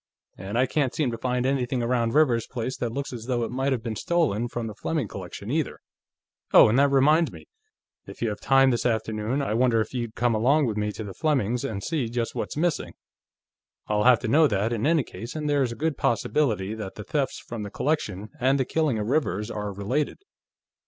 And I can't seem to find anything around Rivers's place that looks as though it might have been stolen from the Fleming collection, either.... Oh, and that reminds me: If you have time this afternoon, I wonder if you'd come along with me to the Flemings' and see just what's missing. I'll have to know that, in any case, and there's a good possibility that the thefts from the collection and the killing of Rivers are related."